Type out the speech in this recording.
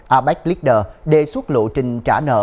abec leader đề xuất lộ trình trả nợ